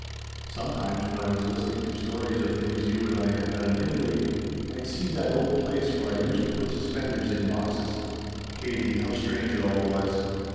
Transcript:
Sometimes when I was listening to stories of things you and I had done in Italy I'd see that old place where I used to put suspenders in boxes ! Katie, how strange it all was.